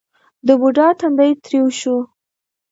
د بوډا تندی ترېو شو: